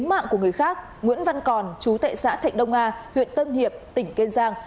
tính mạng của người khác nguyễn văn còn chú tệ xã thạnh đông a huyện tân hiệp tỉnh kiên giang